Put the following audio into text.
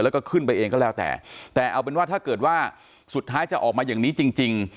แล้วก็ขึ้นไปเองก็แล้วแต่แต่เอาเป็นว่าถ้าเกิดว่าสุดท้ายจะออกมาอย่างนี้จริง